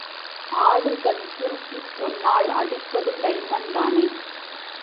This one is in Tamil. ஆடுதன் துருப்புச் சொன்னால் அடிப்பது டைமன் தானே?